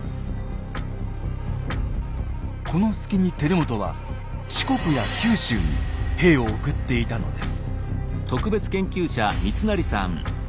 この隙に輝元は四国や九州に兵を送っていたのです。